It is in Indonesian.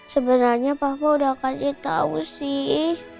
sebenarnya papa udah kasih tau sih